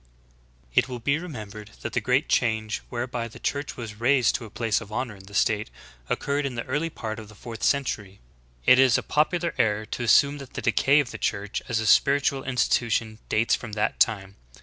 "'^ 13. It will be remembered that the great change whereby the Church was raised to a place of honor in the state, oc curred in the early part of the fourth century. It is a pop ular error to assume that the decay of the Church as a spirit ual institution dates from that time.